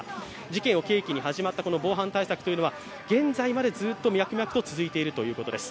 事件を契機に始まった防犯対策は現在までずっと脈々と続いているということです。